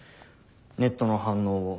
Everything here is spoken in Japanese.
ネットの反応を。